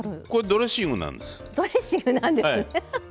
ドレッシングなんですね。